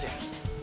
sudah panas ya